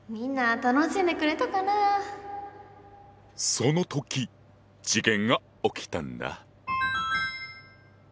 その時事件が起きたんだ。